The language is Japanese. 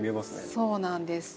そうなんです。